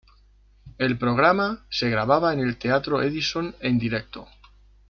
El programa se grababa en el Teatro Edison en directo.